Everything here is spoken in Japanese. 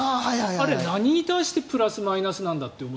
あれ、何に対してプラス、マイナスなんだって。